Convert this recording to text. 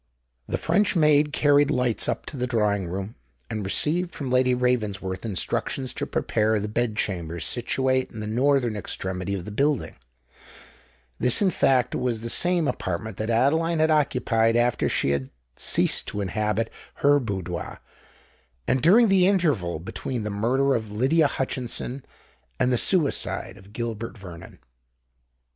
The French maid carried lights up to the drawing room, and received from Lady Ravensworth instructions to prepare the bed chamber situate in the northern extremity of the building: this, in fact, was the same apartment that Adeline had occupied after she had ceased to inhabit her boudoir, and during the interval between the murder of Lydia Hutchinson and the suicide of Gilbert Vernon.